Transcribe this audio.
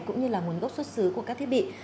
cũng như là nguồn gốc xuất xứ của các thiết bị